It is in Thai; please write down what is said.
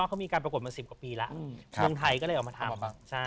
แต่งเบี้ยนหญิง